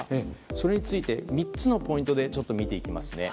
それについて３つのポイントで見ていきますね。